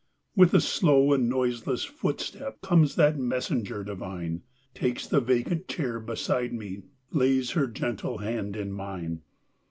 With a slow and noiseless footstepComes that messenger divine, Takes the vacant chair beside me, Lays her gentle hand in mine.